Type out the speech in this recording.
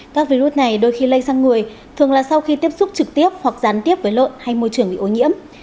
các virus này đôi khi lây sang người thường là sau khi tiếp xúc trực tiếp hoặc gián tiếp với lợn hay môi trường bị ô nhiễm